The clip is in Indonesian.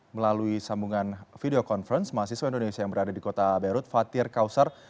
melalui sambungan video conference mahasiswa indonesia yang berada di kota beirut fatir kausar